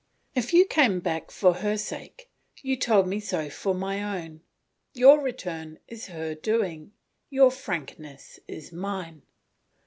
If you came back for her sake, you told me so for my own; your return is her doing, your frankness is mine.